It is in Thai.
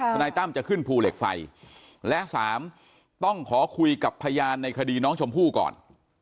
นายตั้มจะขึ้นภูเหล็กไฟและสามต้องขอคุยกับพยานในคดีน้องชมพู่ก่อน